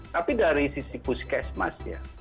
tapi dari sisi puskesmas ya